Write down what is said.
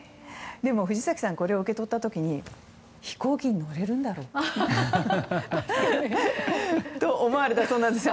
でも、藤崎さんがこれをもらった時に飛行機に乗れるんだろうかと思ったそうですね。